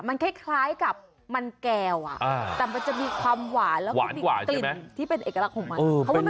มันคล้ายกับมันแก้วแต่มันจะมีความหวานแล้วก็มีกลิ่นที่เป็นเอกลักษณ์ของมัน